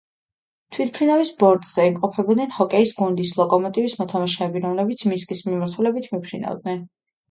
თვითმფრინავის ბორტზე იმყოფებოდნენ ჰოკეის გუნდის „ლოკომოტივის“ მოთამაშეები, რომლებიც მინსკის მიმართულებით მიფრინავდნენ.